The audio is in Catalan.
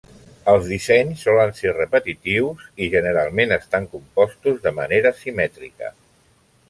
Els dissenys solen ser repetitius i, generalment, estan compostos de manera simètrica.